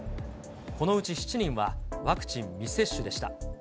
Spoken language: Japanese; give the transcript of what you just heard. このうち７人は、ワクチン未接種でした。